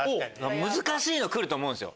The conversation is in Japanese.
難しいのくると思うんですよ。